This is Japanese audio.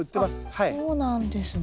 あっそうなんですね。